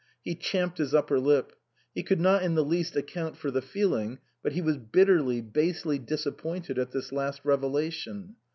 He champed his upper lip. He could not in the least account for the feeling, but he was bitterly, basely disappointed at this last revelation.